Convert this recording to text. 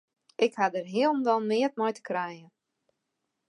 Ik ha dêr hielendal neat mei te krijen.